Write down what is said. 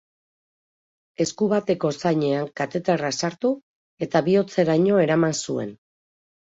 Esku bateko zainean kateterra sartu eta bihotzeraino eraman zuen.